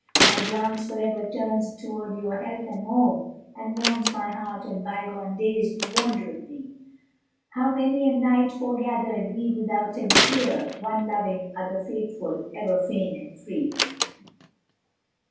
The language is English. My glance for ever turns toward your hearth and home * And mourns my heart the bygone days you woned with me, How many a night foregathered we withouten fear * One loving, other faithful ever fain and free!"